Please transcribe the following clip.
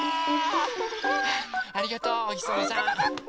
ありがとうおひさまさん。